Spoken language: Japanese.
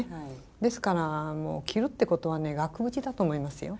ですから着るってことは額縁だと思いますよ。